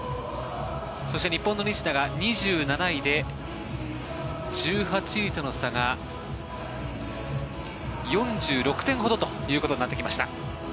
そして日本の西田が２７位で１８位との差が４６点ほどということになってきました。